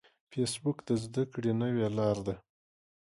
فېسبوک د زده کړې نوې لاره ده